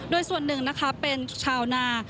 โดยส่วนหนึ่งนะคะเป็นชาวนา